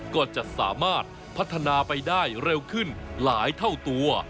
ก็จะสามารถพัฒนาไปได้เร็วขึ้นหลายเท่าตัว